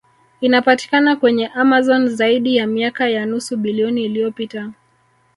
Inapatikana kwenye Amazon Zaidi ya miaka ya nusu bilioni iliyopita